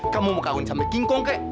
kamu mau kawin sama kingkong kek